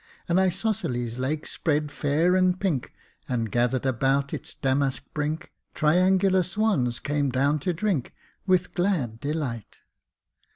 An isosceles lake spread fair and pink, And, gathered about its damask brink, Triangular swans came down to drink With glad delight.